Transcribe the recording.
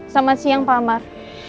selamat siang pak amar